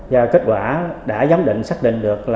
và kết quả đã giám định xác định được